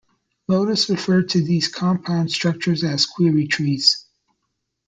Lotus referred to these compound structures as "query trees".